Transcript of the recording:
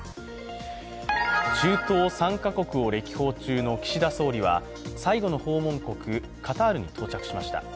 中東３か国を歴訪中の岸田総理は最後の訪問国、カタールに到着しました。